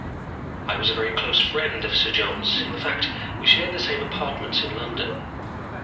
I was a very close friend of Sir John's. In fact, we shared the same apartments in London.